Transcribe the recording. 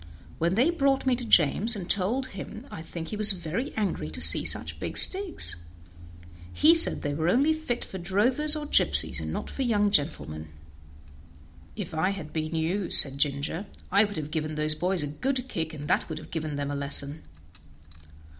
When they brought me to James and told him I think he was very angry to see such big sticks. He said they were only fit for drovers or gypsies, and not for young gentlemen." "If I had been you," said Ginger, "I would have given those boys a good kick, and that would have given them a lesson."